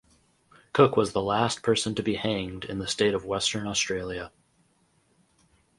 Cooke was the last person to be hanged in the state of Western Australia.